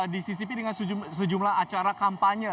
disisipi dengan sejumlah acara kampanye